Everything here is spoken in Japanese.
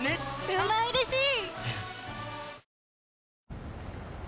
うまうれしい！